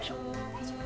大丈夫？